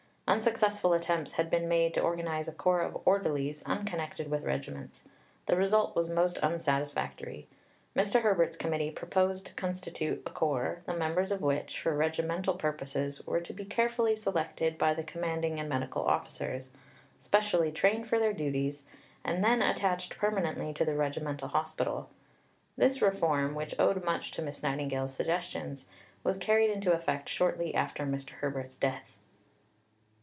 Unsuccessful attempts had been made to organize a corps of orderlies, unconnected with regiments; the result was most unsatisfactory. Mr. Herbert's Committee proposed to constitute a corps the members of which, for regimental purposes, were to be carefully selected by the commanding and medical officers specially trained for their duties, and then attached permanently to the regimental hospital." This reform, which owed much to Miss Nightingale's suggestions, was carried into effect shortly after Mr. Herbert's death.